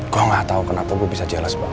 gue gak tau kenapa gue bisa jelas kok